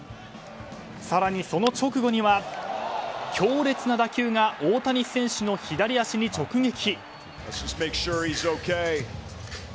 更にその直後には強烈な打球が大谷選手の左足に直撃。